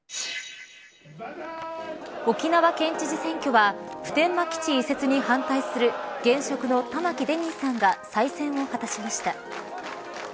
沖縄県知事選挙は普天間基地移設に反対する現職の玉城デニーさんが再選を果たしました。